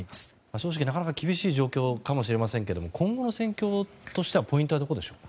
正直、なかなか厳しい状況かもしれませんが今後の戦況としてはポイントはどこでしょう。